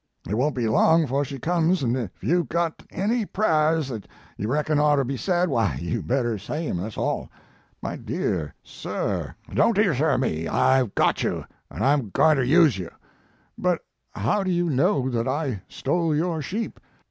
It won t be long fo she comes an ef you ve got any pra rs that you reckon oughter be said, why you better say em, that s all." "My dear sir " Mark Twain "Don t dear sir me. I ve got you, an I m going ter use you." 1 But how do you know that I stole your sheep?"